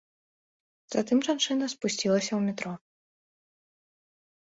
Затым жанчына спусцілася ў метро.